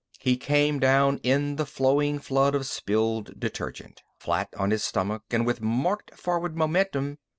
He came down in the flowing flood of spilled detergent, flat on his stomach, and with marked forward momentum.